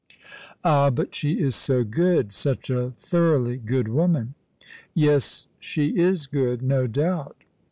" Ah, but she is so good — such a thoroughly good woman.' " Yes, she is good, no doubt."